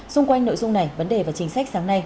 xung quanh nội dung này vấn đề và chính sách sáng nay